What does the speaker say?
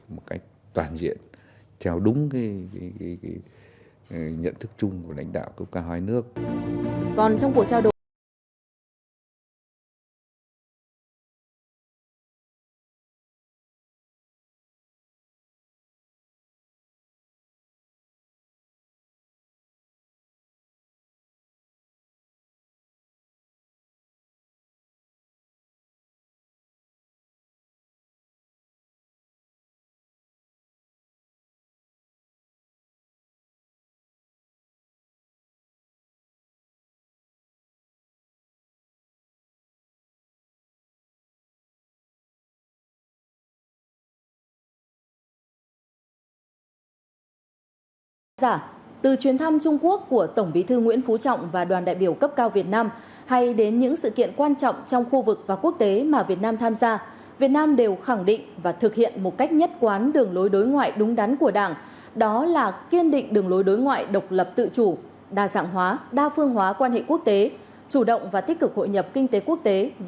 một cách toàn diện trao đúng nhận thức chung của lãnh đạo của cả hai nước